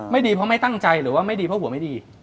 ดีเพราะไม่ตั้งใจหรือว่าไม่ดีเพราะหัวไม่ดี